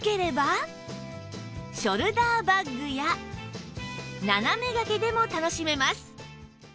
ショルダーバッグや斜め掛けでも楽しめます